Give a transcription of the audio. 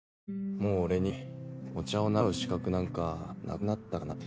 もう俺にお茶を習う資格なんかなくなったかなって。